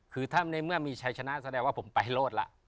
คือถ้าในเมื่อมีชัยชนะแสดงว่าผมไปโลดแล้ว